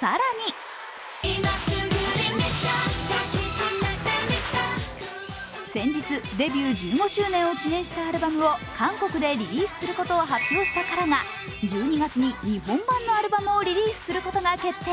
更に先日デビュー１５周年を記念したアルバムを韓国でリリースすることを発表したＫＡＲＡが１２月に日本盤のアルバムをリリースすることが決定。